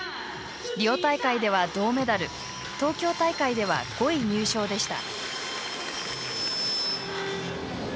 リオ大会では銅メダル東京大会では５位入賞でした。